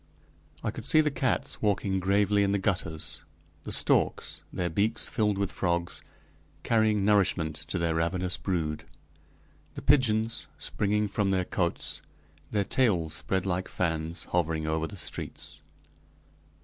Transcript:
I could see the cats walking gravely in the gutters; the storks, their beaks filled with frogs, carrying nourishment to their ravenous brood; the pigeons, springing from their cotes, their tails spread like fans, hovering over the streets.